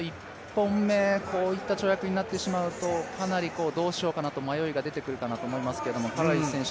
１本目、こういった跳躍になってしまうとかなりどうしようかなと迷いが出てくると思いますけれども、カラリス選手